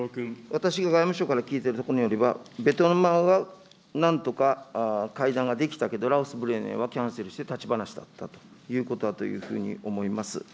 私が外務省から聞いているところによると、ベトナムはなんとか会談ができたけど、ラオス、ブルネイはキャンセルして立ち話だったということだというふうに思います。